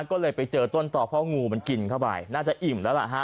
ก็เลยไปเจอต้นต่อเพราะงูมันกินเข้าไปน่าจะอิ่มแล้วล่ะฮะ